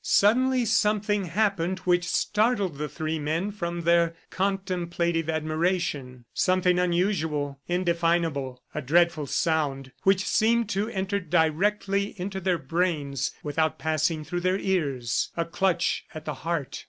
Suddenly something happened which startled the three men from their contemplative admiration something unusual, indefinable, a dreadful sound which seemed to enter directly into their brains without passing through their ears a clutch at the heart.